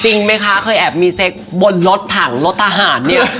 จริงไหมคะเคยแอบมีเซ็กบนรถถังรถทหารเนี่ย